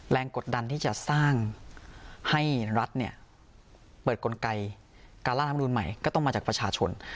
แรงกฎดันที่จะสร้างให้รัฐเนี้ยเปิดกลไกรการรากรรมทางประชาชนมีแล้วก็ต้องมาจากประชาชน